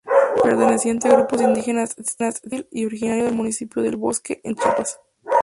Perteneciente a grupo indígena tzotzil y originario del municipio de El Bosque, en Chiapas.